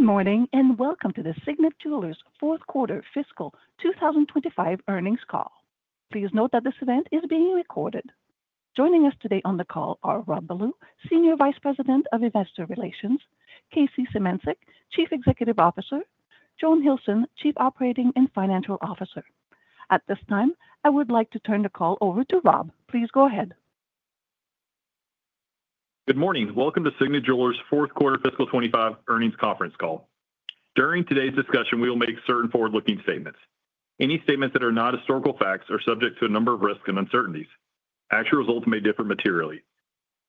Good morning and welcome to the Signet Jewelers' Fourth Quarter Fiscal 2025 Earnings Call. Please note that this event is being recorded. Joining us today on the call are Rob Ballew, Senior Vice President of Investor Relations; J.K. Symancyk, Chief Executive Officer; and Joan Hilson, Chief Operating and Financial Officer. At this time, I would like to turn the call over to Rob. Please go ahead. Good morning. Welcome to Signet Jewelers' Fourth Quarter Fiscal 2025 Earnings Conference Call. During today's discussion, we will make certain forward-looking statements. Any statements that are not historical facts are subject to a number of risks and uncertainties. Actual results may differ materially.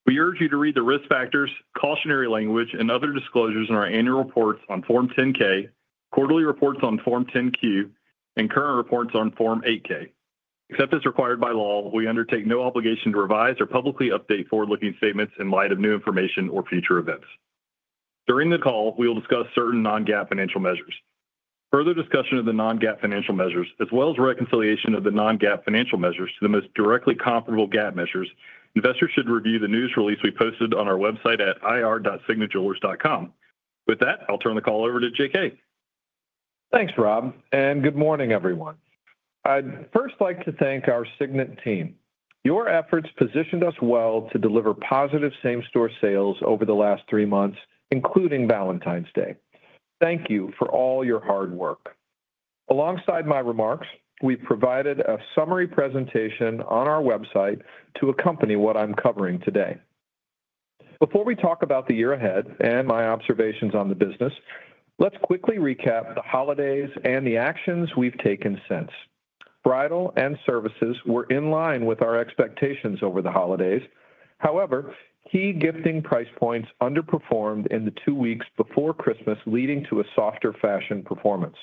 We urge you to read the risk factors, cautionary language, and other disclosures in our annual reports on Form 10-K, quarterly reports on Form 10-Q, and current reports on Form 8-K. Except as required by law, we undertake no obligation to revise or publicly update forward-looking statements in light of new information or future events. During the call, we will discuss certain non-GAAP financial measures. For further discussion of the non-GAAP financial measures, as well as reconciliation of the non-GAAP financial measures to the most directly comparable GAAP measures, investors should review the news release we posted on our website at ir.signetjewelers.com. With that, I'll turn the call over to J.K. Thanks, Rob, and good morning, everyone. I'd first like to thank our Signet team. Your efforts positioned us well to deliver positive same-store sales over the last three months, including Valentine's Day. Thank you for all your hard work. Alongside my remarks, we've provided a summary presentation on our website to accompany what I'm covering today. Before we talk about the year ahead and my observations on the business, let's quickly recap the holidays and the actions we've taken since. Bridal and services were in line with our expectations over the holidays. However, key gifting price points underperformed in the two weeks before Christmas, leading to a softer fashion performance.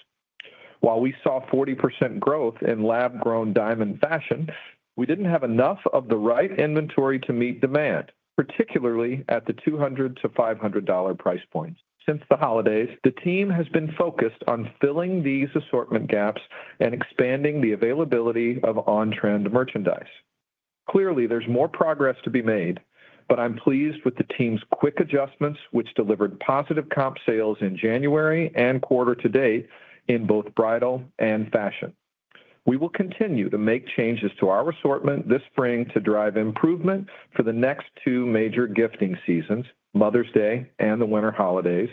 While we saw 40% growth in lab-grown diamond fashion, we didn't have enough of the right inventory to meet demand, particularly at the $200 to $500 price points. Since the holidays, the team has been focused on filling these assortment gaps and expanding the availability of on-trend merchandise. Clearly, there's more progress to be made, but I'm pleased with the team's quick adjustments, which delivered positive comp sales in January and quarter-to-date in both bridal and fashion. We will continue to make changes to our assortment this spring to drive improvement for the next two major gifting seasons, Mother's Day and the winter holidays,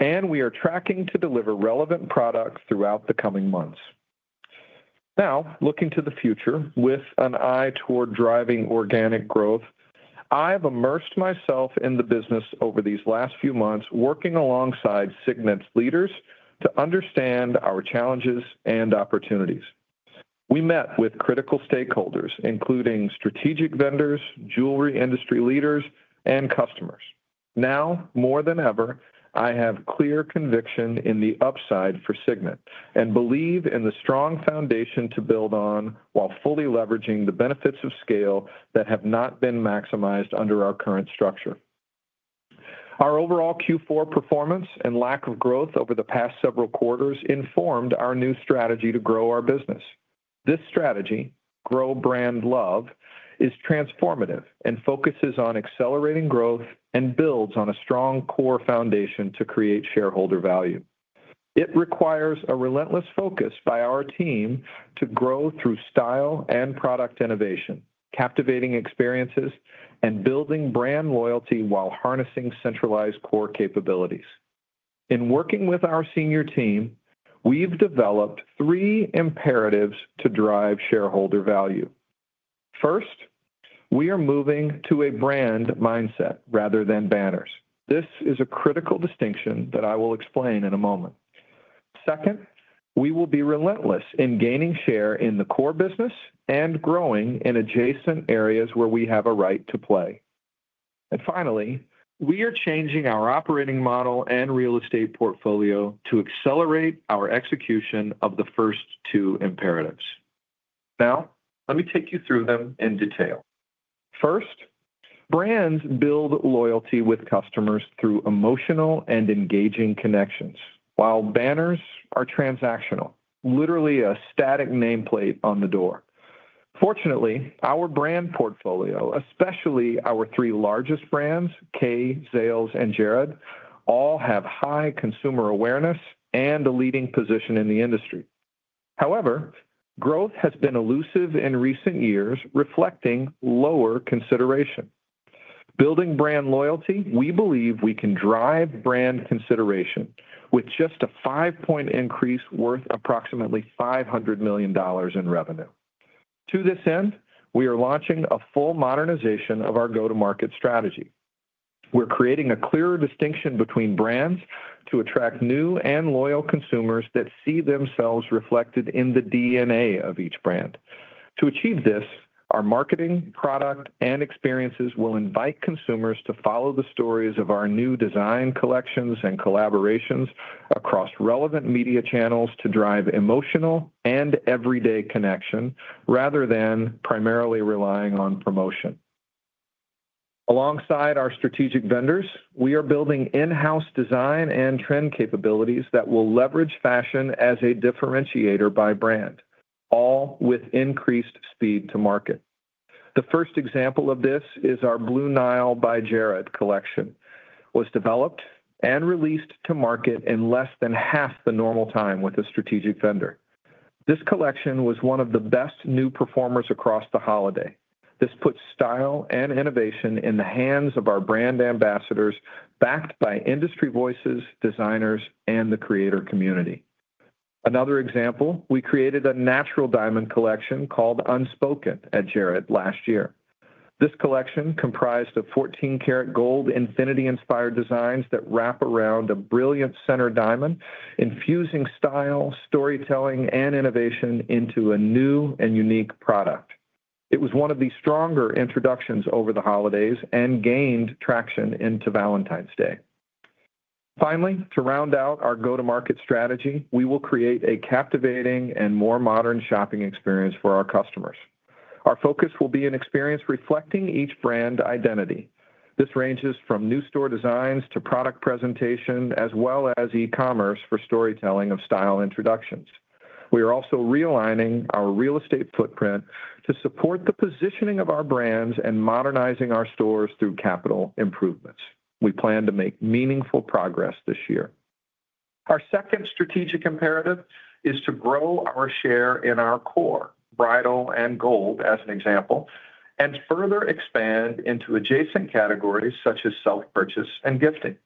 and we are tracking to deliver relevant products throughout the coming months. Now, looking to the future with an eye toward driving organic growth, I've immersed myself in the business over these last few months, working alongside Signet's leaders to understand our challenges and opportunities. We met with critical stakeholders, including strategic vendors, jewelry industry leaders, and customers. Now, more than ever, I have clear conviction in the upside for Signet and believe in the strong foundation to build on while fully leveraging the benefits of scale that have not been maximized under our current structure. Our overall Q4 performance and lack of growth over the past several quarters informed our new strategy to grow our business. This strategy, Grow Brand Love, is transformative and focuses on accelerating growth and builds on a strong core foundation to create shareholder value. It requires a relentless focus by our team to grow through style and product innovation, captivating experiences, and building brand loyalty while harnessing centralized core capabilities. In working with our senior team, we've developed three imperatives to drive shareholder value. First, we are moving to a brand mindset rather than banners. This is a critical distinction that I will explain in a moment. Second, we will be relentless in gaining share in the core business and growing in adjacent areas where we have a right to play. Finally, we are changing our operating model and real estate portfolio to accelerate our execution of the first two imperatives. Now, let me take you through them in detail. First, brands build loyalty with customers through emotional and engaging connections, while banners are transactional, literally a static nameplate on the door. Fortunately, our brand portfolio, especially our three largest brands, Kay, Zales, and Jared, all have high consumer awareness and a leading position in the industry. However, growth has been elusive in recent years, reflecting lower consideration. Building brand loyalty, we believe we can drive brand consideration with just a five-point increase worth approximately $500 million in revenue. To this end, we are launching a full modernization of our go-to-market strategy. We're creating a clearer distinction between brands to attract new and loyal consumers that see themselves reflected in the DNA of each brand. To achieve this, our marketing, product, and experiences will invite consumers to follow the stories of our new design collections and collaborations across relevant media channels to drive emotional and everyday connection rather than primarily relying on promotion. Alongside our strategic vendors, we are building in-house design and trend capabilities that will leverage fashion as a differentiator by brand, all with increased speed to market. The first example of this is our Blue Nile by Jared collection, which was developed and released to market in less than half the normal time with a strategic vendor. This collection was one of the best new performers across the holiday. This puts style and innovation in the hands of our brand ambassadors, backed by industry voices, designers, and the creator community. Another example, we created a natural diamond collection called Unspoken at Jared last year. This collection comprised of 14-karat gold, infinity-inspired designs that wrap around a brilliant center diamond, infusing style, storytelling, and innovation into a new and unique product. It was one of the stronger introductions over the holidays and gained traction into Valentine's Day. Finally, to round out our go-to-market strategy, we will create a captivating and more modern shopping experience for our customers. Our focus will be an experience reflecting each brand identity. This ranges from new store designs to product presentation, as well as e-commerce for storytelling of style introductions. We are also realigning our real estate footprint to support the positioning of our brands and modernizing our stores through capital improvements. We plan to make meaningful progress this year. Our second strategic imperative is to grow our share in our core, bridal and gold, as an example, and further expand into adjacent categories such as self-purchase and gifting.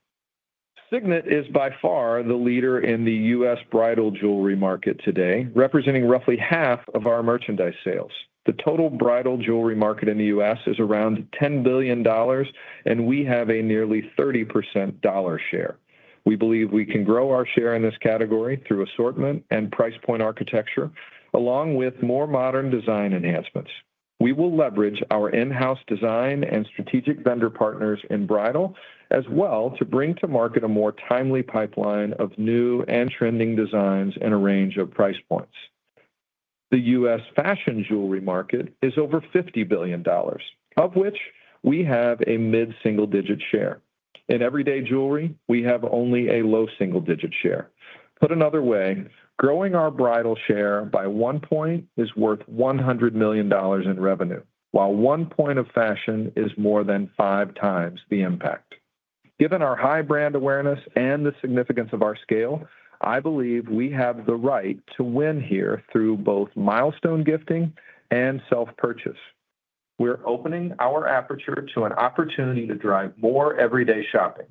Signet is by far the leader in the U.S. bridal jewelry market today, representing roughly half of our merchandise sales. The total bridal jewelry market in the U.S. is around $10 billion, and we have a nearly 30% dollar share. We believe we can grow our share in this category through assortment and price point architecture, along with more modern design enhancements. We will leverage our in-house design and strategic vendor partners in bridal, as well to bring to market a more timely pipeline of new and trending designs in a range of price points. The U.S. fashion jewelry market is over $50 billion, of which we have a mid-single-digit share. In everyday jewelry, we have only a low single-digit share. Put another way, growing our bridal share by one point is worth $100 million in revenue, while one point of fashion is more than five times the impact. Given our high brand awareness and the significance of our scale, I believe we have the right to win here through both milestone gifting and self-purchase. We're opening our aperture to an opportunity to drive more everyday shopping,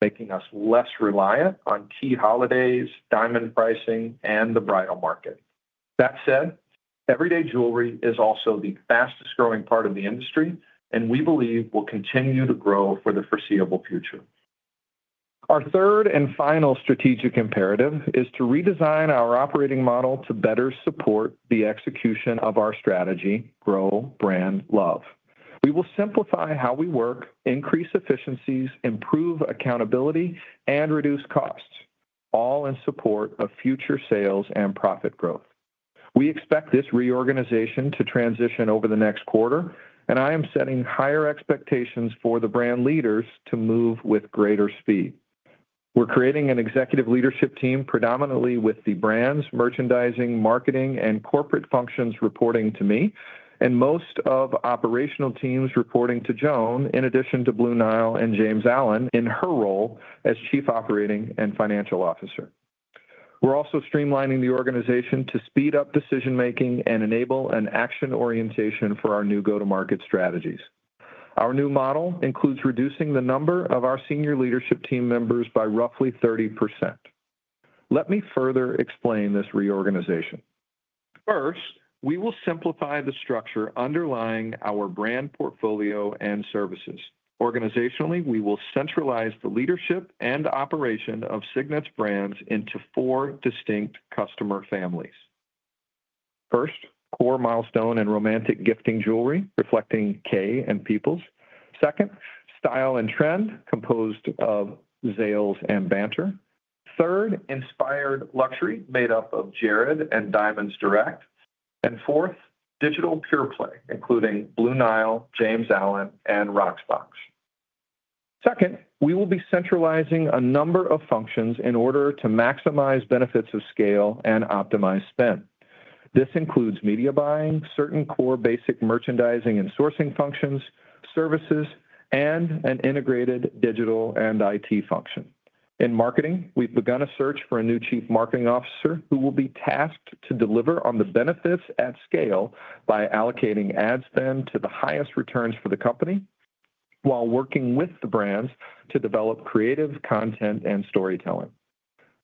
making us less reliant on key holidays, diamond pricing, and the bridal market. That said, everyday jewelry is also the fastest-growing part of the industry, and we believe we'll continue to grow for the foreseeable future. Our third and final strategic imperative is to redesign our operating model to better support the execution of our strategy, Grow Brand Love. We will simplify how we work, increase efficiencies, improve accountability, and reduce costs, all in support of future sales and profit growth. We expect this reorganization to transition over the next quarter, and I am setting higher expectations for the brand leaders to move with greater speed. We're creating an executive leadership team predominantly with the brands, merchandising, marketing, and corporate functions reporting to me, and most of operational teams reporting to Joan, in addition to Blue Nile and James Allen in her role as Chief Operating and Financial Officer. We're also streamlining the organization to speed up decision-making and enable an action orientation for our new go-to-market strategies. Our new model includes reducing the number of our senior leadership team members by roughly 30%. Let me further explain this reorganization. First, we will simplify the structure underlying our brand portfolio and services. Organizationally, we will centralize the leadership and operation of Signet's brands into four distinct customer families. First, core milestone and romantic gifting jewelry, reflecting Kay and Peoples. Second, style and trend, composed of Zales and Banter. Third, inspired luxury, made up of Jared and Diamonds Direct. Fourth, digital pure play, including Blue Nile, James Allen, and Rocksbox. Second, we will be centralizing a number of functions in order to maximize benefits of scale and optimize spend. This includes media buying, certain core basic merchandising and sourcing functions, services, and an integrated digital and IT function. In marketing, we've begun a search for a new Chief Marketing Officer who will be tasked to deliver on the benefits at scale by allocating ad spend to the highest returns for the company, while working with the brands to develop creative content and storytelling.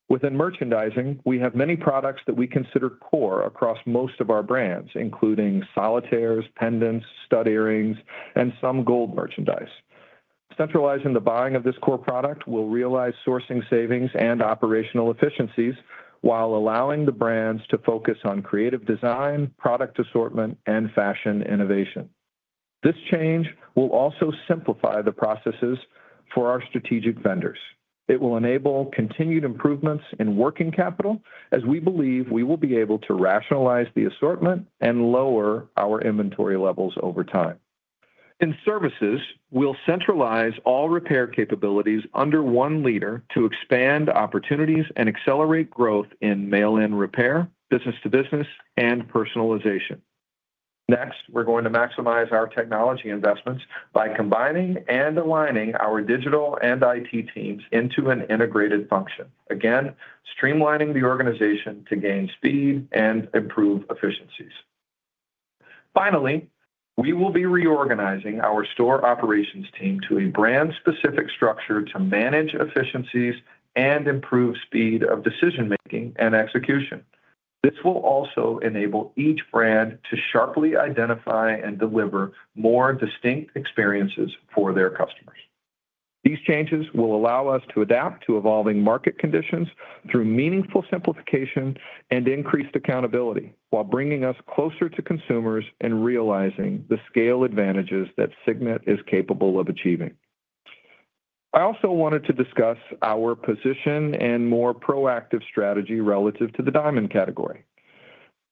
Within merchandising, we have many products that we consider core across most of our brands, including solitaires, pendants, stud earrings, and some gold merchandise. Centralizing the buying of this core product will realize sourcing savings and operational efficiencies while allowing the brands to focus on creative design, product assortment, and fashion innovation. This change will also simplify the processes for our strategic vendors. It will enable continued improvements in working capital, as we believe we will be able to rationalize the assortment and lower our inventory levels over time. In services, we'll centralize all repair capabilities under one leader to expand opportunities and accelerate growth in mail-in repair, business-to-business, and personalization. Next, we're going to maximize our technology investments by combining and aligning our digital and IT teams into an integrated function. Again, streamlining the organization to gain speed and improve efficiencies. Finally, we will be reorganizing our store operations team to a brand-specific structure to manage efficiencies and improve speed of decision-making and execution. This will also enable each brand to sharply identify and deliver more distinct experiences for their customers. These changes will allow us to adapt to evolving market conditions through meaningful simplification and increased accountability, while bringing us closer to consumers and realizing the scale advantages that Signet is capable of achieving. I also wanted to discuss our position and more proactive strategy relative to the diamond category.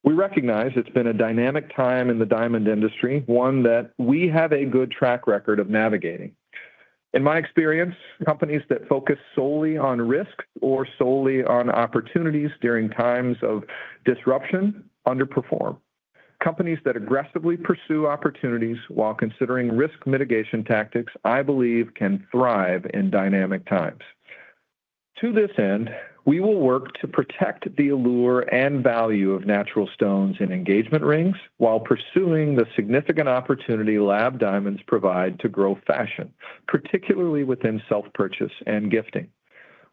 We recognize it's been a dynamic time in the diamond industry, one that we have a good track record of navigating. In my experience, companies that focus solely on risk or solely on opportunities during times of disruption underperform. Companies that aggressively pursue opportunities while considering risk mitigation tactics, I believe, can thrive in dynamic times. To this end, we will work to protect the allure and value of natural stones in engagement rings while pursuing the significant opportunity lab diamonds provide to grow fashion, particularly within self-purchase and gifting.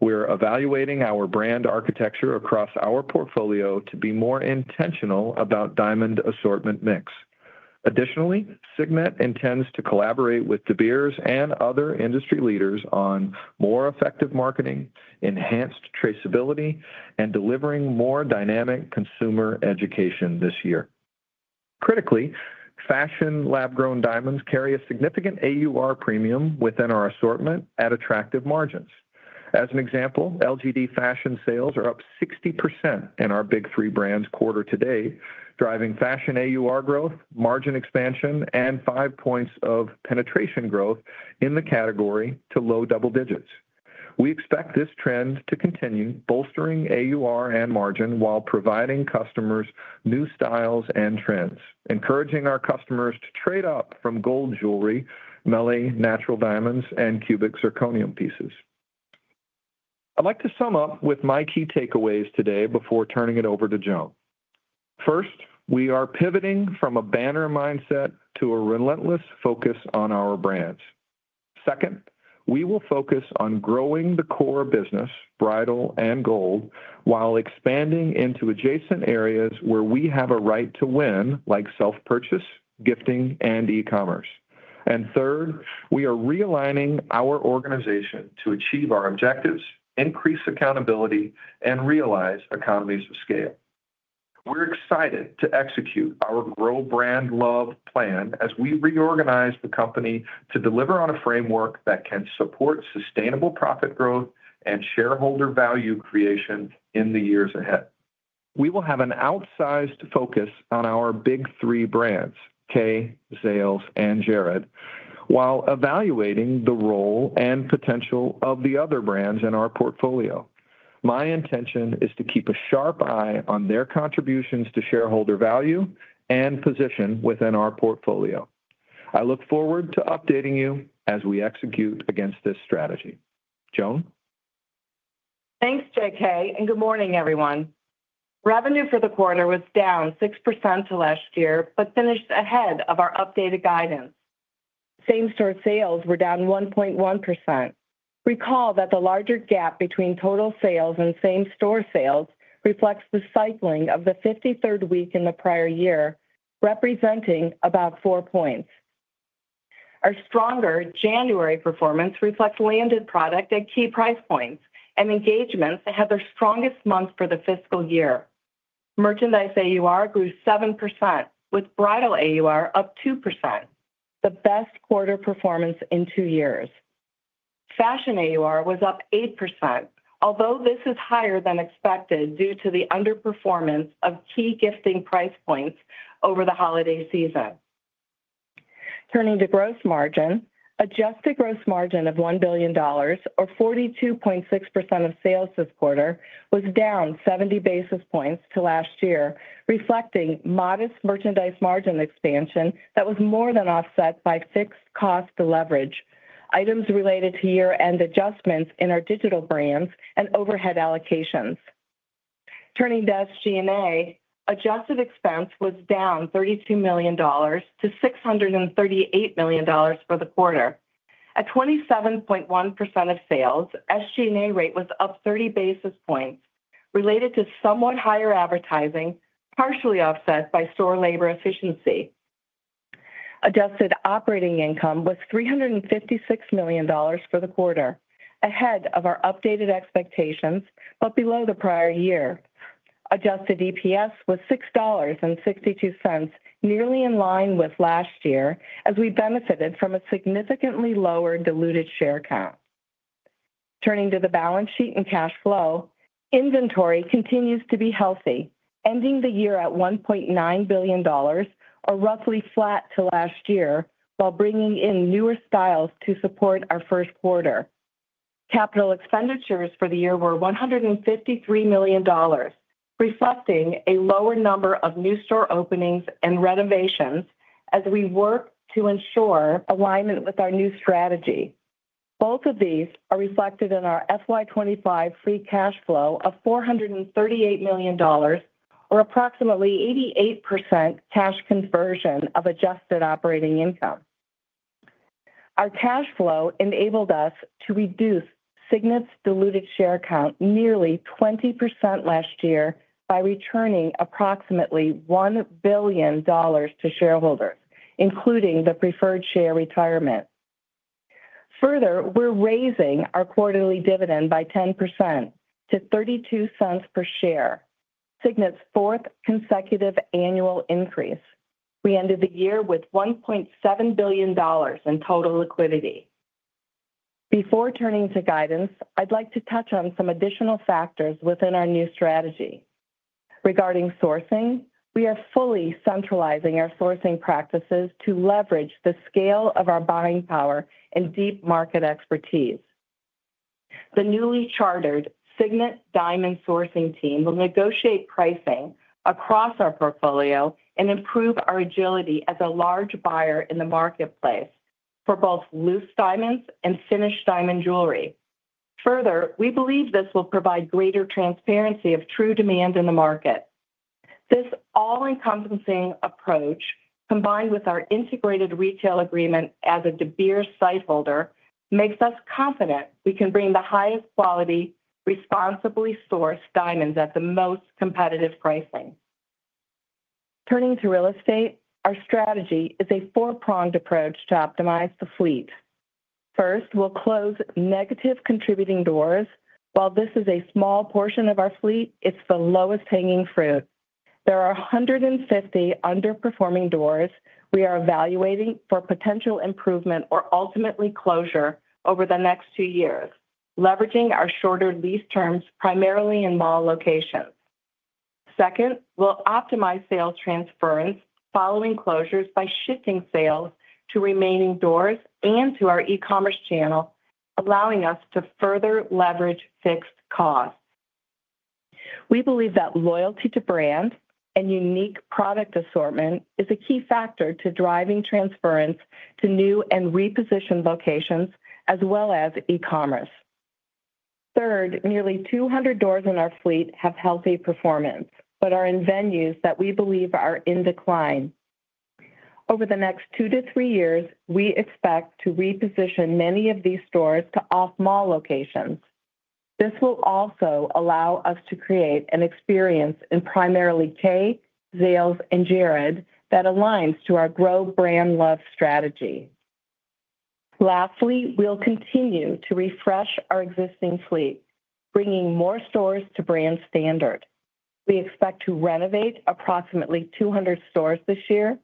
We're evaluating our brand architecture across our portfolio to be more intentional about diamond assortment mix. Additionally, Signet intends to collaborate with De Beers and other industry leaders on more effective marketing, enhanced traceability, and delivering more dynamic consumer education this year. Critically, fashion lab-grown diamonds carry a significant AUR premium within our assortment at attractive margins. As an example, LGD fashion sales are up 60% in our big three brands quarter to date, driving fashion AUR growth, margin expansion, and five points of penetration growth in the category to low double digits. We expect this trend to continue, bolstering AUR and margin while providing customers new styles and trends, encouraging our customers to trade up from gold jewelry, melee natural diamonds, and cubic zirconium pieces. I'd like to sum up with my key takeaways today before turning it over to Joan. First, we are pivoting from a banner mindset to a relentless focus on our brands. Second, we will focus on growing the core business, bridal and gold, while expanding into adjacent areas where we have a right to win, like self-purchase, gifting, and e-commerce. Third, we are realigning our organization to achieve our objectives, increase accountability, and realize economies of scale. We're excited to execute our Grow Brand Love plan as we reorganize the company to deliver on a framework that can support sustainable profit growth and shareholder value creation in the years ahead. We will have an outsized focus on our big three brands, Kay, Zales, and Jared, while evaluating the role and potential of the other brands in our portfolio. My intention is to keep a sharp eye on their contributions to shareholder value and position within our portfolio. I look forward to updating you as we execute against this strategy. Joan? Thanks, J.K and good morning, everyone. Revenue for the quarter was down 6% to last year, but finished ahead of our updated guidance. Same-store sales were down 1.1%. Recall that the larger gap between total sales and same-store sales reflects the cycling of the 53rd week in the prior year, representing above four points. Our stronger January performance reflects landed product at key price points, and engagements that had their strongest month for the fiscal year. Merchandise AUR grew 7%, with bridal AUR up 2%, the best quarter performance in two years. Fashion AUR was up 8%, although this is higher than expected due to the underperformance of key gifting price points over the holiday season. Turning to gross margin, adjusted gross margin of $1 billion, or 42.6% of sales this quarter, was down 70 basis points to last year, reflecting modest merchandise margin expansion that was more than offset by fixed cost to leverage, items related to year-end adjustments in our digital brands and overhead allocations. Turning to SG&A, adjusted expense was down $32 million to $638 million for the quarter. At 27.1% of sales, SG&A rate was up 30 basis points, related to somewhat higher advertising, partially offset by store labor efficiency. Adjusted operating income was $356 million for the quarter, ahead of our updated expectations, but below the prior year. Adjusted EPS was $6.62, nearly in line with last year, as we benefited from a significantly lower diluted share count. Turning to the balance sheet and cash flow, inventory continues to be healthy, ending the year at $1.9 billion, or roughly flat to last year, while bringing in newer styles to support our first quarter. Capital expenditures for the year were $153 million, reflecting a lower number of new store openings and renovations as we work to ensure alignment with our new strategy. Both of these are reflected in our FY 2025 free cash flow of $438 million, or approximately 88% cash conversion of adjusted operating income. Our cash flow enabled us to reduce Signet's diluted share count nearly 20% last year by returning approximately $1 billion to shareholders, including the preferred share retirement. Further, we're raising our quarterly dividend by 10% to $0.32 per share, Signet's fourth consecutive annual increase. We ended the year with $1.7 billion in total liquidity. Before turning to guidance, I'd like to touch on some additional factors within our new strategy. Regarding sourcing, we are fully centralizing our sourcing practices to leverage the scale of our buying power and deep market expertise. The newly chartered Signet Diamond Sourcing Team will negotiate pricing across our portfolio and improve our agility as a large buyer in the marketplace for both loose diamonds and finished diamond jewelry. Further, we believe this will provide greater transparency of true demand in the market. This all-encompassing approach, combined with our integrated retail agreement as a De Beers Sightholder, makes us confident we can bring the highest quality, responsibly sourced diamonds at the most competitive pricing. Turning to real estate, our strategy is a four-pronged approach to optimize the fleet. First, we'll close negative contributing doors. While this is a small portion of our fleet, it's the lowest hanging fruit. There are 150 underperforming doors we are evaluating for potential improvement or ultimately closure over the next two years, leveraging our shorter lease terms primarily in mall locations. Second, we'll optimize sales transference following closures by shifting sales to remaining doors and to our e-commerce channel, allowing us to further leverage fixed costs. We believe that loyalty to brand and unique product assortment is a key factor to driving transference to new and repositioned locations, as well as e-commerce. Third, nearly 200 doors in our fleet have healthy performance, but are in venues that we believe are in decline. Over the next two to three years, we expect to reposition many of these stores to off-mall locations. This will also allow us to create an experience in primarily Kay, Zales, and Jared that aligns to our Grow Brand Love strategy. Lastly, we'll continue to refresh our existing fleet, bringing more stores to brand standard. We expect to renovate approximately 200 stores this year.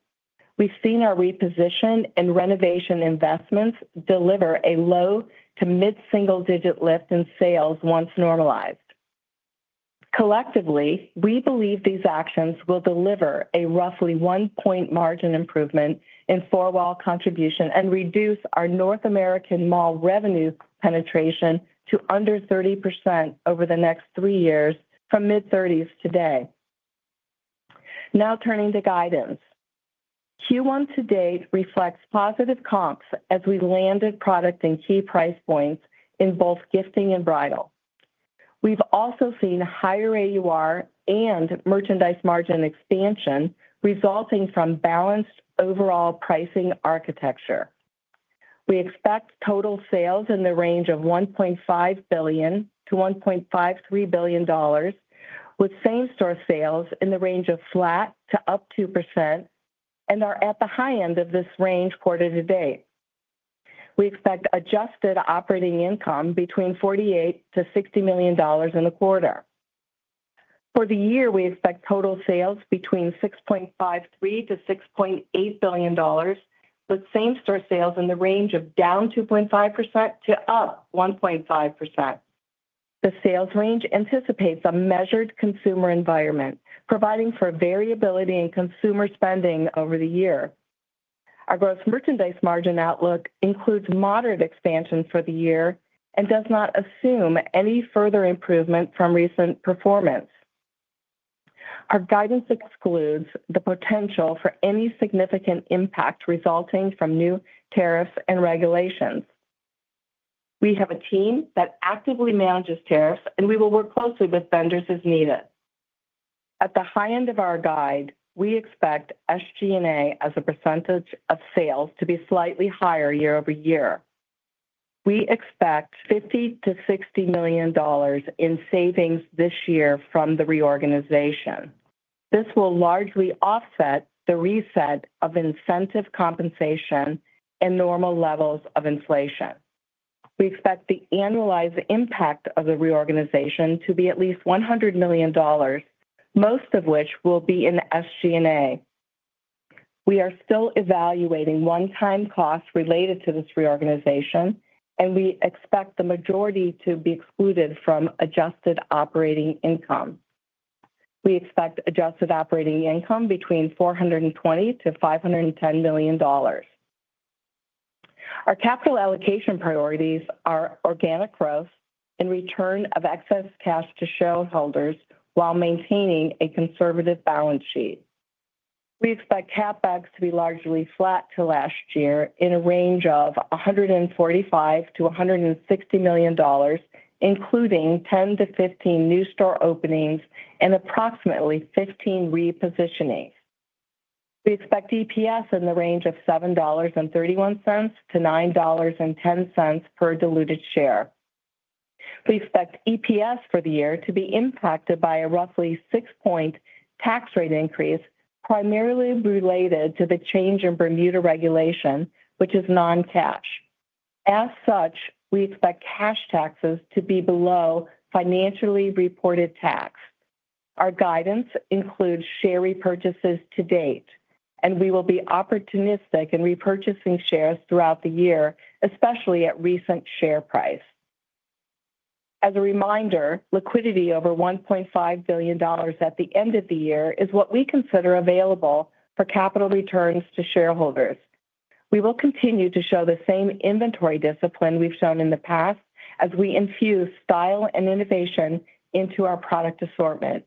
We've seen our reposition and renovation investments deliver a low to mid-single digit lift in sales once normalized. Collectively, we believe these actions will deliver a roughly one-point margin improvement in four-wall contribution and reduce our North American mall revenue penetration to under 30% over the next three years from mid-30s today. Now, turning to guidance, Q1-to-date reflects positive comps as we landed product in key price points in both gifting and bridal. We've also seen higher AUR and merchandise margin expansion resulting from balanced overall pricing architecture. We expect total sales in the range of $1.5 billion to $1.53 billion, with same-store sales in the range of flat to up 2%, and are at the high end of this range quarter-to-date. We expect adjusted operating income between $48 million to $60 million in the quarter. For the year, we expect total sales between $6.53 billion to $6.8 billion, with same-store sales in the range of down 2.5% to up 1.5%. The sales range anticipates a measured consumer environment, providing for variability in consumer spending over the year. Our gross merchandise margin outlook includes moderate expansion for the year and does not assume any further improvement from recent performance. Our guidance excludes the potential for any significant impact resulting from new tariffs and regulations. We have a team that actively manages tariffs, and we will work closely with vendors as needed. At the high end of our guide, we expect SG&A as a percentage of sales to be slightly higher year-over-year. We expect $50 million to $60 million in savings this year from the reorganization. This will largely offset the reset of incentive compensation and normal levels of inflation. We expect the annualized impact of the reorganization to be at least $100 million, most of which will be in SG&A. We are still evaluating one-time costs related to this reorganization, and we expect the majority to be excluded from adjusted operating income. We expect adjusted operating income between $420 million to $510 million. Our capital allocation priorities are organic growth and return of excess cash to shareholders while maintaining a conservative balance sheet. We expect CapEx to be largely flat to last year in a range of $145 million t$160 million, including 10 to 15 new store openings and approximately 15 repositionings. We expect EPS in the range of $7.31 to $9.10 per diluted share. We expect EPS for the year to be impacted by a roughly 6% tax rate increase, primarily related to the change in Bermuda regulation, which is non-cash. As such, we expect cash taxes to be below financially reported tax. Our guidance includes share repurchases to date, and we will be opportunistic in repurchasing shares throughout the year, especially at recent share price. As a reminder, liquidity over $1.5 billion at the end of the year is what we consider available for capital returns to shareholders. We will continue to show the same inventory discipline we've shown in the past as we infuse style and innovation into our product assortment.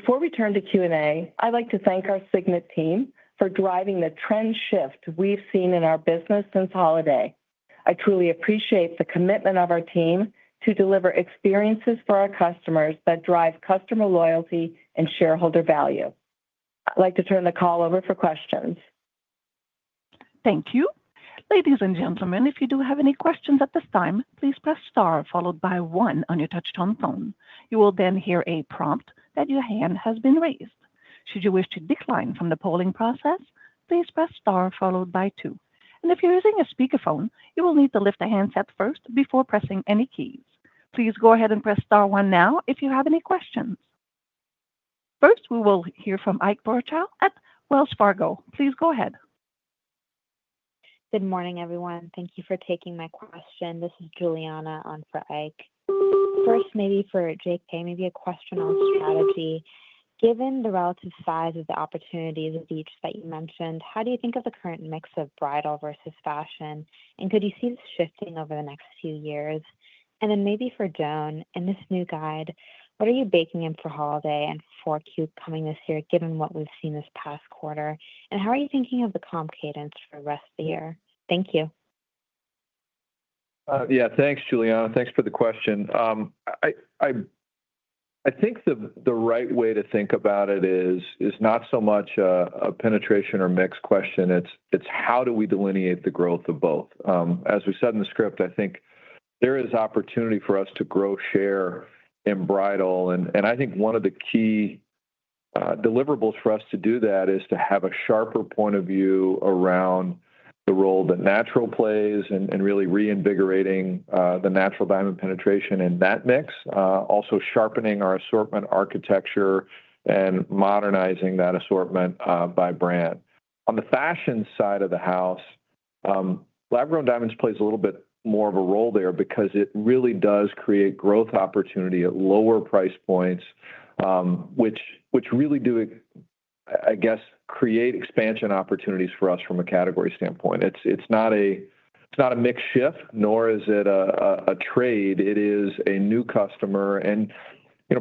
Before we turn to Q&A, I'd like to thank our Signet team for driving the trend shift we've seen in our business since holiday. I truly appreciate the commitment of our team to deliver experiences for our customers that drive customer loyalty and shareholder value. I'd like to turn the call over for questions. Thank you. Ladies and gentlemen, if you do have any questions at this time, please press star followed by one on your touch-tone phone. You will then hear a prompt that your hand has been raised. Should you wish to decline from the polling process, please press star followed by two. If you're using a speakerphone, you will need to lift the handset first before pressing any keys. Please go ahead and press star one now if you have any questions. First, we will hear from Ike Boruchow at Wells Fargo. Please go ahead. Good morning, everyone. Thank you for taking my question. This is Juliana on for Ike. First, maybe for J.K., maybe a question on strategy. Given the relative size of the opportunities of each that you mentioned, how do you think of the current mix of bridal versus fashion? Could you see this shifting over the next few years? Maybe for Joan, in this new guide, what are you baking in for holiday and 4Q coming this year, given what we've seen this past quarter? How are you thinking of the comp cadence for the rest of the year? Thank you. Yeah, thanks, Juliana. Thanks for the question. I think the right way to think about it is not so much a penetration or mix question. It's how do we delineate the growth of both? As we said in the script, I think there is opportunity for us to grow share in bridal. I think one of the key deliverables for us to do that is to have a sharper point of view around the role that natural plays and really reinvigorating the natural diamond penetration in that mix. Also sharpening our assortment architecture and modernizing that assortment by brand. On the fashion side of the house, lab-grown diamonds plays a little bit more of a role there because it really does create growth opportunity at lower price points, which really do create expansion opportunities for us from a category standpoint. It's not a mix shift, nor is it a trade. It is a new customer. And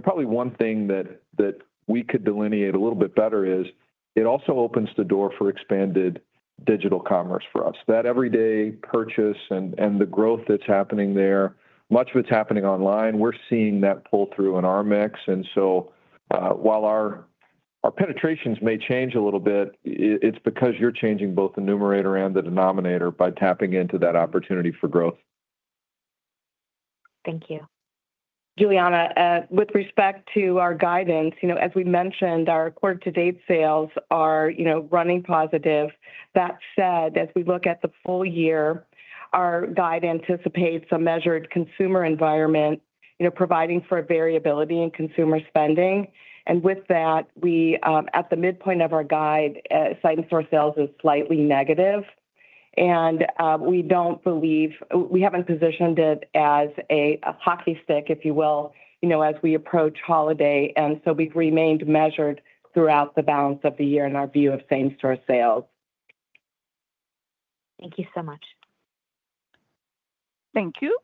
probably one thing that we could delineate a little bit better is it also opens the door for expanded digital commerce for us. That everyday purchase and the growth that's happening there, much of it's happening online. We're seeing that pull through in our mix. And so while our penetrations may change a little bit, it's because you're changing both the numerator and the denominator by tapping into that opportunity for growth. Thank you. Juliana, with respect to our guidance, as we mentioned, our quarter-to-date sales are running positive. That said, as we look at the full-year, our guide anticipates a measured consumer environment providing for variability in consumer spending. And with that, at the midpoint of our guide, site and store sales is slightly negative. We do not believe, we have positioned it as a hockey stick, if you will, as we approach holiday. We have remained measured throughout the balance of the year in our view of same-store sales. Thank you so much. Thank you.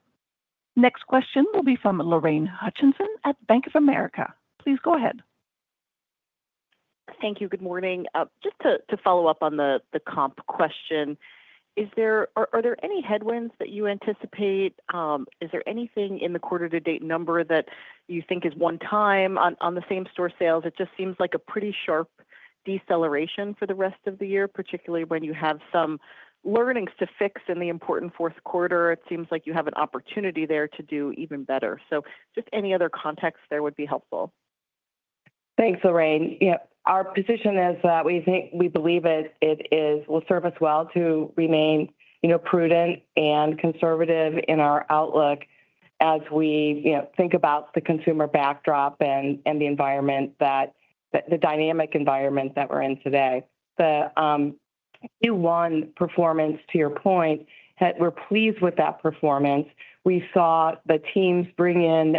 Next question will be from Lorraine Hutchinson at Bank of America. Please go ahead. Thank you. Good morning. Just to follow up on the comp question, are there any headwinds that you anticipate? Is there anything in the quarter-to-date number that you think is one time on the same-store sales? It just seems like a pretty sharp deceleration for the rest of the year, particularly when you have some learnings to fix in the important fourth quarter. It seems like you have an opportunity there to do even better. Just any other context there would be helpful. Thanks, Lorraine. Yeah, our position is that we believe it will serve us well to remain prudent and conservative in our outlook as we think about the consumer backdrop and the environment, the dynamic environment that we're in today. The Q1 performance, to your point, we're pleased with that performance. We saw the teams bring in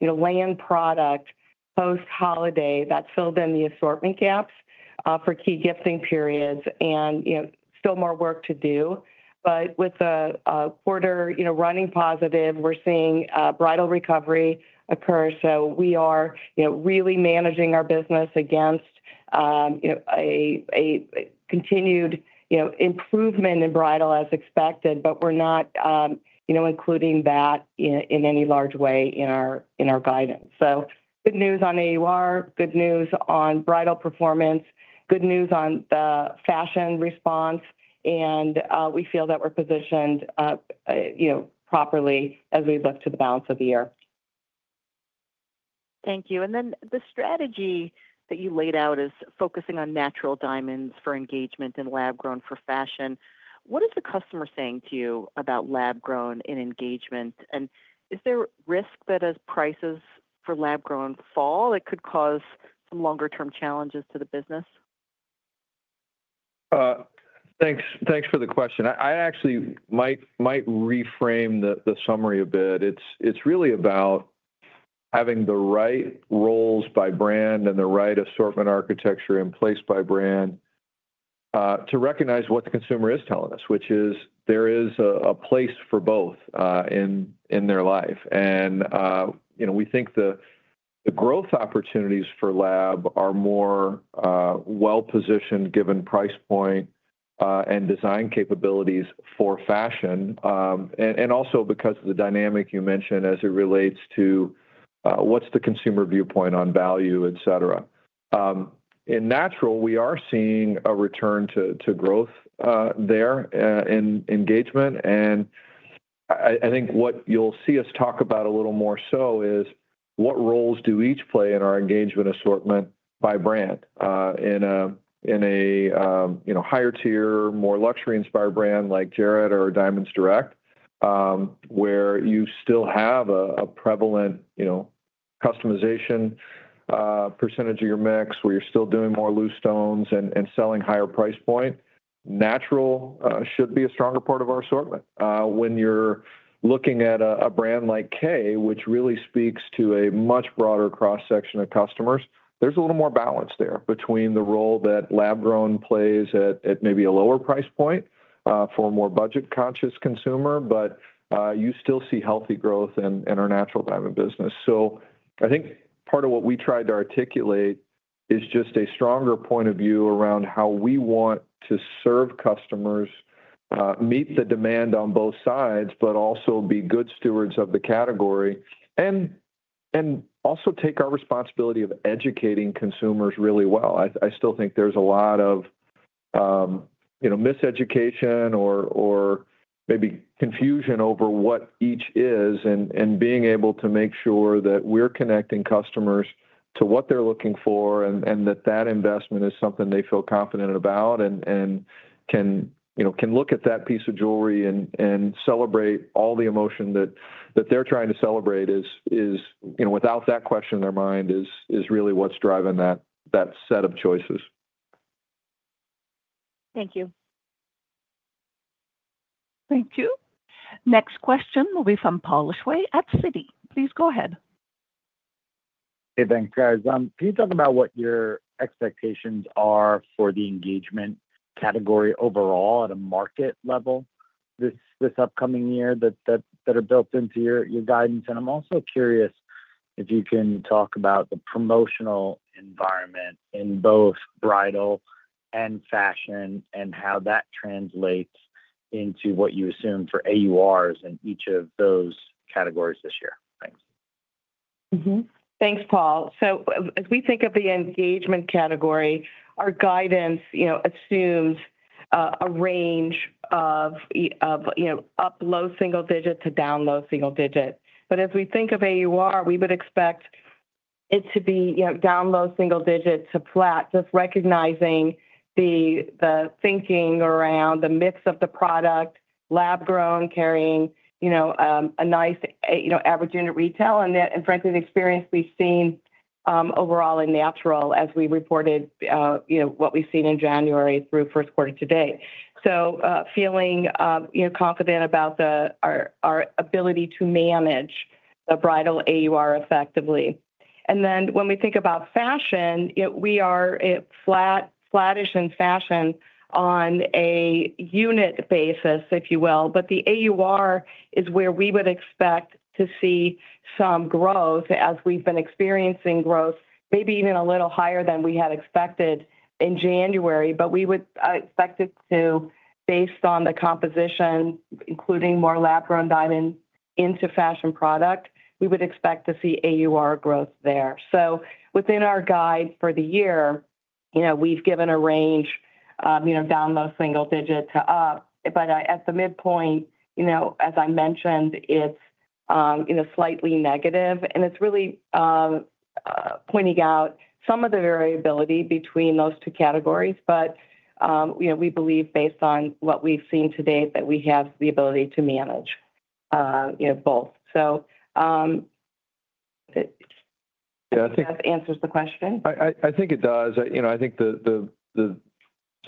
land product post-holiday that filled in the assortment gaps for key gifting periods and still more work to do. With the quarter running positive, we're seeing bridal recovery occur. We are really managing our business against a continued improvement in bridal as expected, but we're not including that in any large way in our guidance. Good news on AUR, good news on bridal performance, good news on the fashion response, and we feel that we're positioned properly as we look to the balance of the year. Thank you. The strategy that you laid out is focusing on natural diamonds for engagement and lab grown for fashion. What is the customer saying to you about lab grown in engagement? Is there risk that as prices for lab grown fall that could cause some longer-term challenges to the business? Thanks for the question. I actually might reframe the summary a bit. It is really about having the right roles by brand and the right assortment architecture in place by brand to recognize what the consumer is telling us, which is there is a place for both in their life. We think the growth opportunities for lab are more well-positioned given price point and design capabilities for fashion. Also because of the dynamic you mentioned as it relates to what is the consumer viewpoint on value, etc. In natural, we are seeing a return to growth there in engagement. I think what you'll see us talk about a little more so is what roles do each play in our engagement assortment by brand in a higher tier, more luxury-inspired brand like Jared or Diamonds Direct, where you still have a prevalent customization percentage of your mix, where you're still doing more loose stones and selling higher price point. Natural should be a stronger part of our assortment. When you're looking at a brand like Kay, which really speaks to a much broader cross-section of customers, there's a little more balance there between the role that lab grown plays at maybe a lower price point for a more budget-conscious consumer, but you still see healthy growth in our natural diamond business. I think part of what we tried to articulate is just a stronger point of view around how we want to serve customers, meet the demand on both sides, but also be good stewards of the category, and also take our responsibility of educating consumers really well. I still think there's a lot of miseducation or maybe confusion over what each is and being able to make sure that we're connecting customers to what they're looking for and that that investment is something they feel confident about and can look at that piece of jewelry and celebrate all the emotion that they're trying to celebrate without that question in their mind is really what's driving that set of choices. Thank you. Thank you. Next question will be from Paul Lejuez at Citi. Please go ahead. Hey, thanks, guys. Can you talk about what your expectations are for the engagement category overall at a market level this upcoming year that are built into your guidance? I am also curious if you can talk about the promotional environment in both bridal and fashion and how that translates into what you assume for AURs in each of those categories this year. Thanks. Thanks, Paul. As we think of the engagement category, our guidance assumes a range of up low-single digit to down low-single digit. As we think of AUR, we would expect it to be down low-single digit to flat, just recognizing the thinking around the mix of the product, lab grown carrying a nice average unit retail, and frankly, the experience we have seen overall in natural as we reported what we have seen in January through first quarter-to-date. Feeling confident about our ability to manage the bridal AUR effectively. When we think about fashion, we are flatish in fashion on a unit basis, if you will, but the AUR is where we would expect to see some growth as we've been experiencing growth, maybe even a little higher than we had expected in January. We would expect it to, based on the composition, including more lab-grown diamonds into fashion product, we would expect to see AUR growth there. Within our guide for the year, we've given a range down low-single digit to up. At the midpoint, as I mentioned, it's slightly negative. It's really pointing out some of the variability between those two categories, but we believe, based on what we've seen to date, that we have the ability to manage both. I think that answers the question. I think it does. I think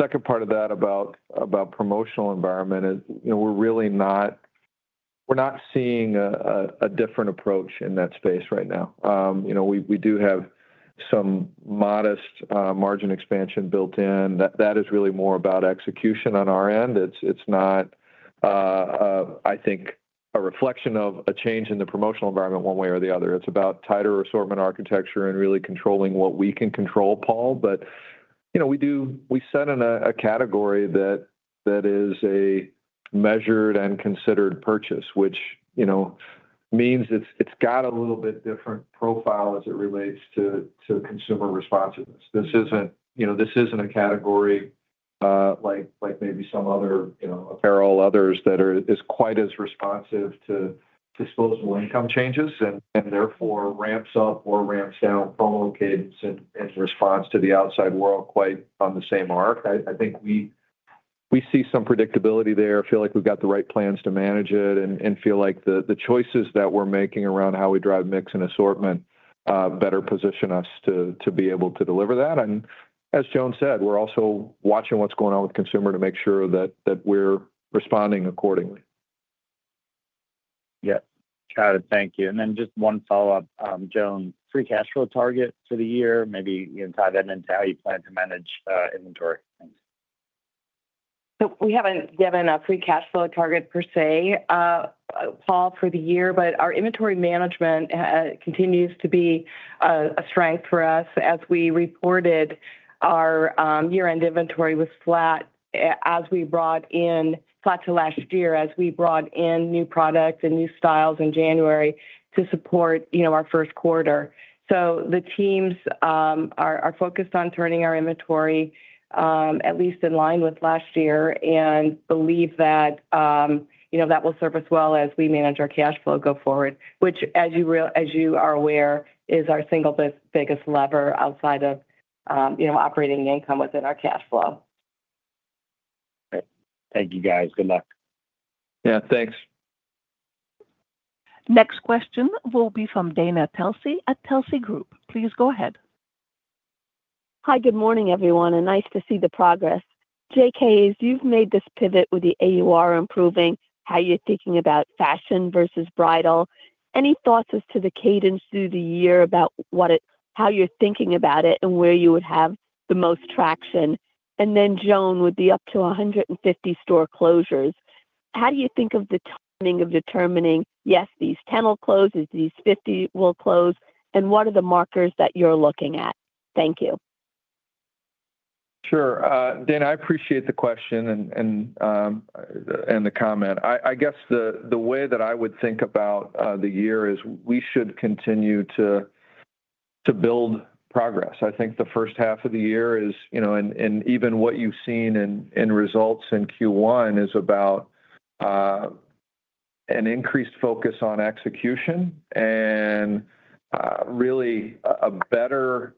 the second part of that about promotional environment is we're not seeing a different approach in that space right now. We do have some modest margin expansion built in. That is really more about execution on our end. It's not, I think, a reflection of a change in the promotional environment one way or the other. It's about tighter assortment architecture and really controlling what we can control, Paul. We set in a category that is a measured and considered purchase, which means it's got a little bit different profile as it relates to consumer responsiveness. This isn't a category like maybe some other apparel others that is quite as responsive to disposable income changes and therefore ramps up or ramps down promo cadence in response to the outside world quite on the same arc. I think we see some predictability there. I feel like we've got the right plans to manage it, and feel like the choices that we're making around how we drive mix and assortment better position us to be able to deliver that. As Joan said, we're also watching what's going on with consumer to make sure that we're responding accordingly. Yes. Got it. Thank you. And then just one follow-up, Joan, free cash flow target for the year, maybe tie that into how you plan to manage inventory. Thanks. We haven't given a free cash flow target per se, Paul, for the year, but our inventory management continues to be a strength for us. As we reported, our year-end inventory was flat as we brought in flat to last year as we brought in new products and new styles in January to support our first quarter. The teams are focused on turning our inventory at least in line with last year and believe that that will serve us well as we manage our cash flow going forward, which, as you are aware, is our single biggest lever outside of operating income within our cash flow. Okay. Thank you, guys. Good luck. Yeah, thanks. Next question will be from Dana Telsey at Telsey Group. Please go ahead. Hi, good morning, everyone, and nice to see the progress. J.K., you've made this pivot with the AUR improving how you're thinking about fashion versus bridal. Any thoughts as to the cadence through the year about how you're thinking about it and where you would have the most traction? And then Joan would be up to 150 store closures, how do you think of the timing of determining, yes, these 10 will close, these 50 will close, and what are the markers that you're looking at? Thank you. Sure. Dana, I appreciate the question and the comment. I guess the way that I would think about the year is we should continue to build progress. I think the first half of the year is, and even what you've seen in results in Q1 is about an increased focus on execution and really a better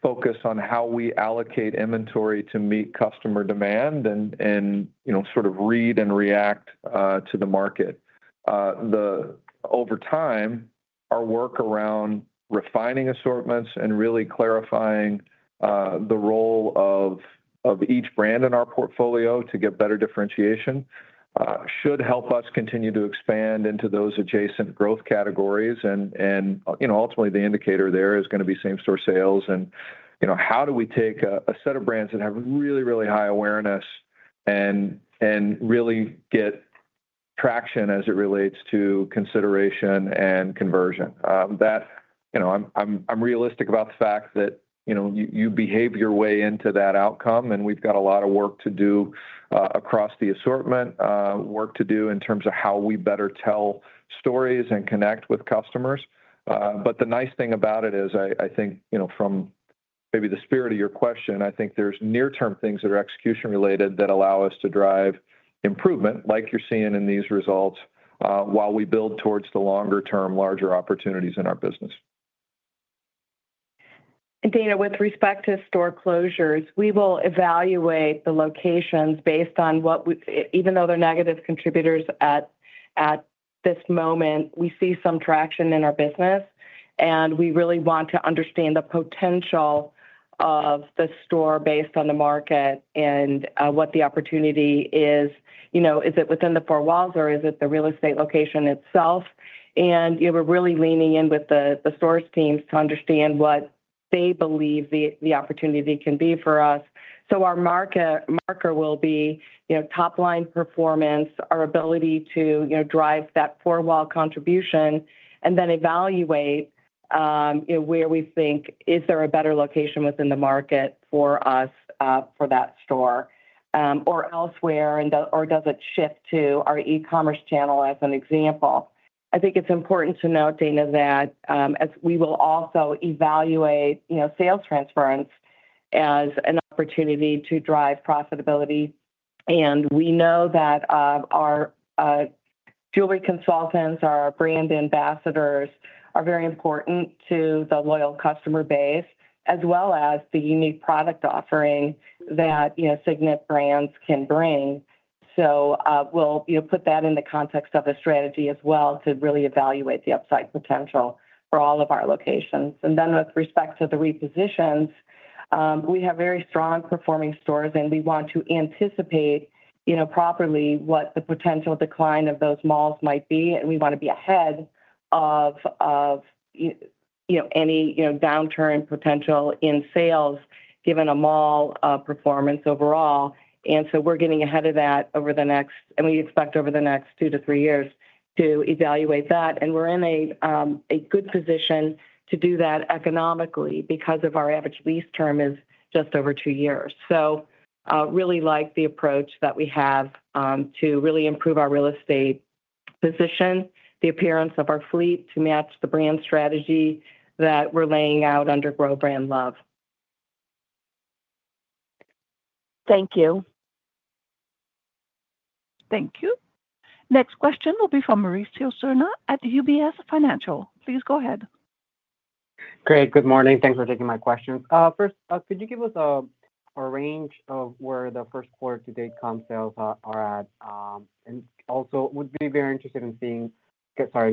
focus on how we allocate inventory to meet customer demand and sort of read and react to the market. Over time, our work around refining assortments and really clarifying the role of each brand in our portfolio to get better differentiation should help us continue to expand into those adjacent growth categories. Ultimately, the indicator there is going to be same-store sales. How do we take a set of brands that have really, really high awareness and really get traction as it relates to consideration and conversion? I'm realistic about the fact that you behave your way into that outcome, and we've got a lot of work to do across the assortment, work to do in terms of how we better tell stories and connect with customers. The nice thing about it is, I think from maybe the spirit of your question, I think there's near-term things that are execution-related that allow us to drive improvement, like you're seeing in these results, while we build towards the longer-term, larger opportunities in our business. Dana, with respect to store closures, we will evaluate the locations based on what, even though they're negative contributors at this moment, we see some traction in our business. We really want to understand the potential of the store based on the market and what the opportunity is. Is it within the four walls or is it the real estate location itself? We are really leaning in with the store teams to understand what they believe the opportunity can be for us. Our marker will be top-line performance, our ability to drive that four-wall contribution, and then evaluate where we think, is there a better location within the market for us for that store or elsewhere, or does it shift to our e-commerce channel as an example? I think it's important to note, Dana, that as we will also evaluate sales transference as an opportunity to drive profitability. We know that our jewelry consultants, our brand ambassadors, are very important to the loyal customer base, as well as the unique product offering that Signet brands can bring. We will put that in the context of a strategy as well to really evaluate the upside potential for all of our locations. With respect to the repositions, we have very strong performing stores, and we want to anticipate properly what the potential decline of those malls might be. We want to be ahead of any downturn potential in sales, given a mall performance overall. We are getting ahead of that over the next, and we expect over the next two to three years to evaluate that. We are in a good position to do that economically because our average lease term is just over two years. I really like the approach that we have to really improve our real estate position, the appearance of our fleet to match the brand strategy that we are laying out under Grow Brand Love. Thank you. Thank you. Next question will be from Mauricio Serna at UBS Financial. Please go ahead. Great. Good morning. Thanks for taking my questions. First, could you give us a range of where the first quarter to date comp sales are at? Also, we'd be very interested in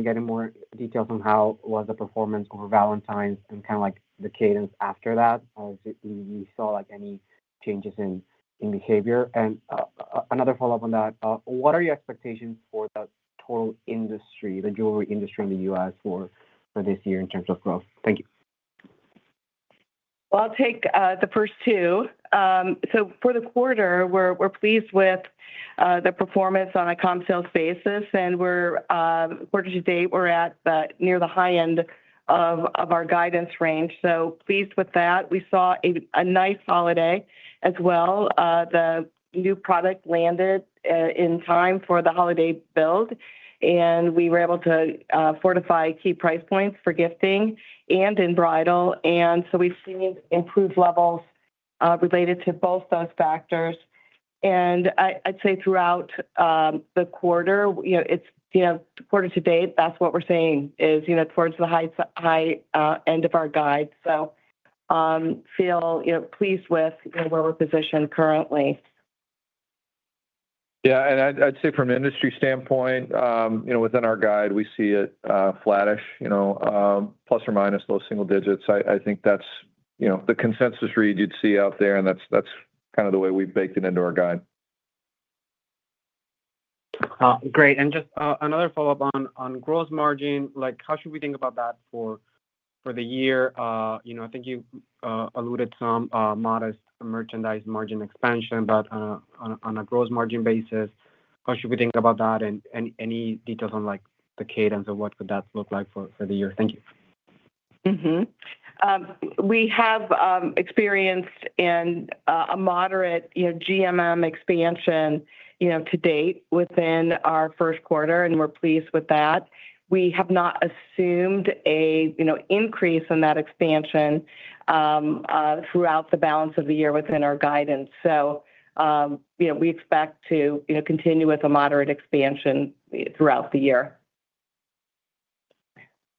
getting more details on how was the performance over Valentine's and kind of the cadence after that, as we saw any changes in behavior. Another follow-up on that, what are your expectations for the total industry, the jewelry industry in the U.S. for this year in terms of growth? Thank you. I'll take the first two. For the quarter, we're pleased with the performance on a comp sales basis. Quarter-to-date, we're near the high end of our guidance range so pleased with that. We saw a nice holiday as well. The new product landed in time for the holiday build, and we were able to fortify key price points for gifting and in bridal. We have seen improved levels related to both those factors. I would say throughout the quarter, quarter-to-date, what we are seeing is towards the high end of our guide. I feel pleased with where we are positioned currently. I would say from an industry standpoint, within our guide, we see it flattish, plus or minus low-single digits. I think that is the consensus read you would see out there, and that is the way we have baked it into our guide. Great. Just another follow-up on gross margin, how should we think about that for the year? I think you alluded to some modest merchandise margin expansion, but on a gross margin basis, how should we think about that? Any details on the cadence of what could that look like for the year? Thank you. We have experienced a moderate GMM expansion to date within our first quarter, and we're pleased with that. We have not assumed an increase in that expansion throughout the balance of the year within our guidance. We expect to continue with a moderate expansion throughout the year.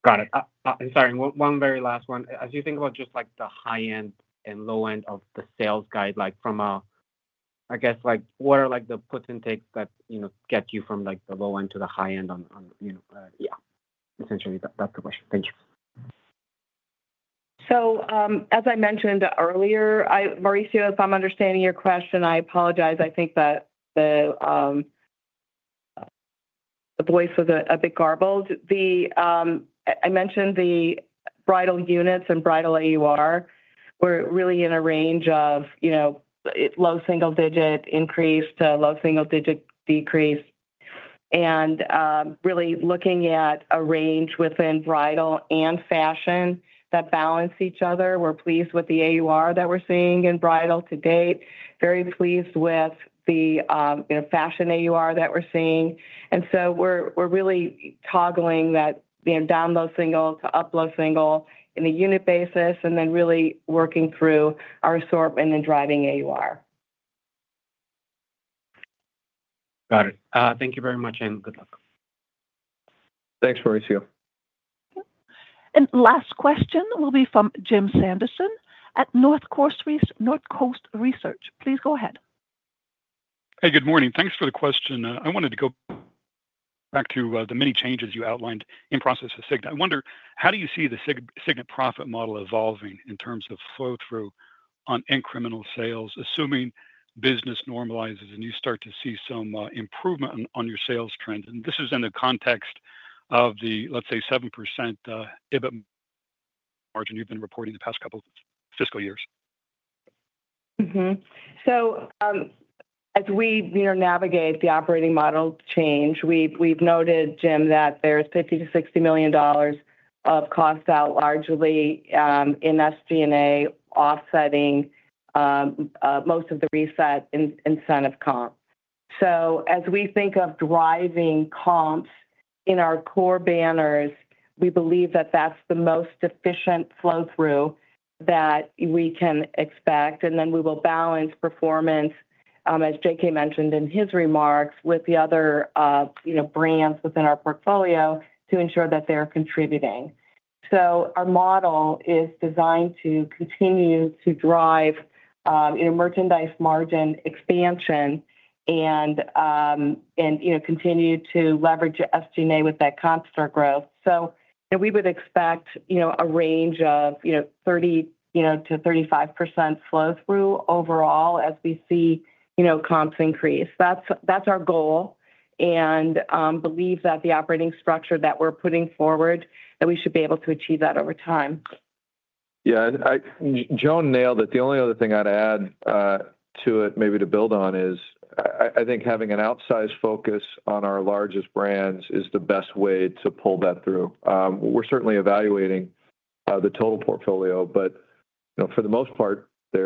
Got it. Sorry, one very last one. As you think about just the high end and low end of the sales guide, from a, I guess, what are the puts and takes that get you from the low end to the high end? Yeah, essentially, that's the question. Thank you. As I mentioned earlier, Mauricio, if I'm understanding your question, I apologize. I think that the voice was a bit garbled. I mentioned the bridal units and bridal AUR were really in a range of low-single digit increase to low-single digit decrease. Really looking at a range within bridal and fashion that balance each other, we're pleased with the AUR that we're seeing in bridal to date, very pleased with the fashion AUR that we're seeing. We're really toggling that down low-single to up low-single in the unit basis, and then really working through our assortment and driving AUR. Got it. Thank you very much, and good luck. Thanks, Mauricio. The last question will be from Jim Sanderson at North Coast Research. Please go ahead. Hey, good morning. Thanks for the question. I wanted to go back to the many changes you outlined in process of Signet. I wonder, how do you see the Signet profit model evolving in terms of flow-through on incremental sales, assuming business normalizes and you start to see some improvement on your sales trend? This is in the context of the, let's say, 7% EBIT margin you've been reporting the past couple of fiscal years. As we navigate the operating model change, we've noted, Jim, that there's $50 million to $60 million of cost out largely in SG&A offsetting most of the reset incentive comp. As we think of driving comps in our core banners, we believe that that's the most efficient flow-through that we can expect. We will balance performance, as J.K. mentioned in his remarks, with the other brands within our portfolio to ensure that they're contributing. Our model is designed to continue to drive merchandise margin expansion and continue to leverage SG&A with that comp store growth. We would expect a range of 30% to 35% flow-through overall as we see comps increase. That is our goal. We believe that the operating structure that we are putting forward, we should be able to achieve that over time. Yeah. Joan nailed it. The only other thing I would add to it, maybe to build on, is I think having an outsized focus on our largest brands is the best way to pull that through. We are certainly evaluating the total portfolio, but for the most part, they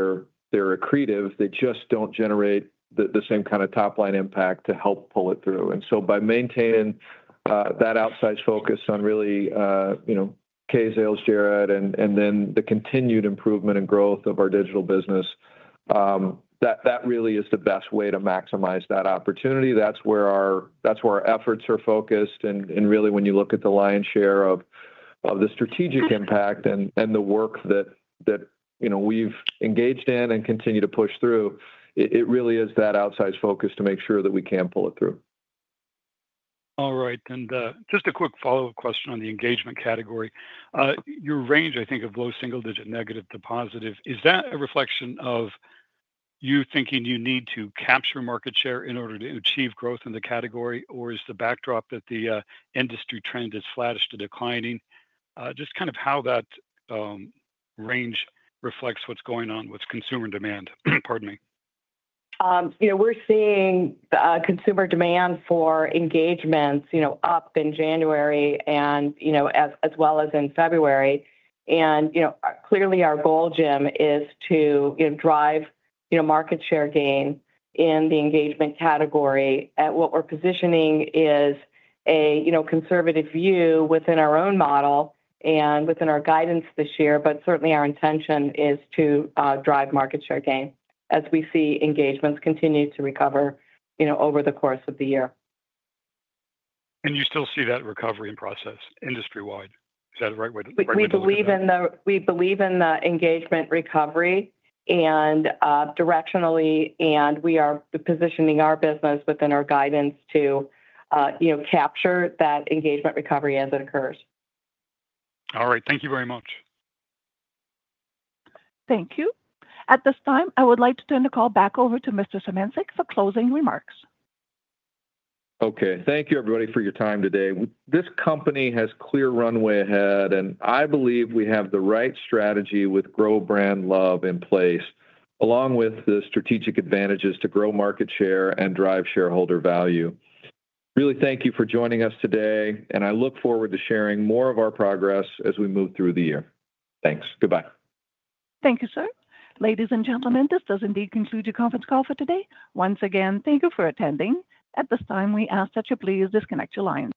are accretive. They just do not generate the same kind of top-line impact to help pull it through. By maintaining that outsized focus on really Kay, Zales, Jared, and then the continued improvement and growth of our digital business, that really is the best way to maximize that opportunity. That's where our efforts are focused and really, when you look at the lion's share of the strategic impact and the work that we've engaged in and continue to push through, it really is that outsized focus to make sure that we can pull it through. All right. Just a quick follow-up question on the engagement category. Your range, I think, of low-single digit negative to positive, is that a reflection of you thinking you need to capture market share in order to achieve growth in the category, or is the backdrop that the industry trend is flattish to declining? Just kind of how that range reflects what's going on with consumer demand. Pardon me. We're seeing consumer demand for engagements up in January as well as in February. Clearly, our goal, Jim, is to drive market share gain in the engagement category. What we're positioning is a conservative view within our own model and within our guidance this year, but certainly our intention is to drive market share gain as we see engagements continue to recover over the course of the year. You still see that recovery in process industry-wide. Is that the right way to put it? We believe in the engagement recovery and directionally, and we are positioning our business within our guidance to capture that engagement recovery as it occurs. All right. Thank you very much. Thank you. At this time, I would like to turn the call back over to Mr. Symancyk for closing remarks. Okay. Thank you, everybody, for your time today. This company has clear runway ahead, and I believe we have the right strategy with Grow Brand Love in place, along with the strategic advantages to grow market share and drive shareholder value. Really thank you for joining us today, and I look forward to sharing more of our progress as we move through the year. Thanks. Goodbye. Thank you, sir. Ladies and gentlemen, this does indeed conclude your conference call for today. Once again, thank you for attending. At this time, we ask that you please disconnect your lines.